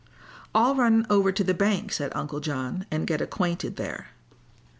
"I'll run over to the bank," said Uncle John, "and get acquainted there."